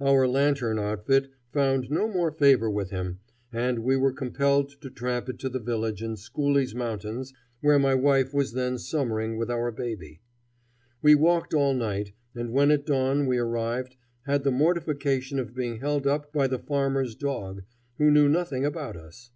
Our lantern outfit found no more favor with him, and we were compelled to tramp it to the village in Schooley's Mountains where my wife was then summering with our baby. We walked all night, and when at dawn we arrived, had the mortification of being held up by the farmer's dog, who knew nothing about us.